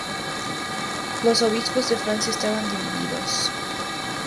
Los obispos de Francia estaban divididos.